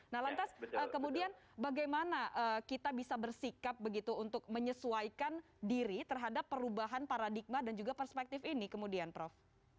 nah lantas kemudian bagaimana kita bisa bersikap begitu untuk menyesuaikan diri terhadap perubahan paradigma dan juga perspektif ini kemudian prof